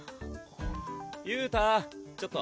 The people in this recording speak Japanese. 憂太ちょっと。